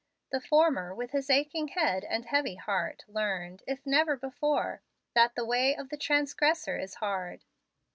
The former, with his aching head and heavy heart, learned, if never before, that the "way of transgressors is hard."